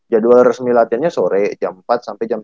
jadwal resmi latihannya sore jam empat sampe jam tujuh